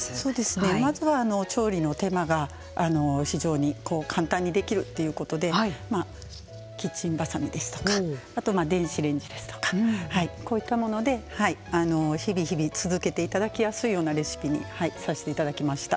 まずは調理の手間が非常に簡単にできるということでキッチンばさみですとかあと、電子レンジですとかこういったもので日々日々続けていただきやすいようなレシピにさせていただきました。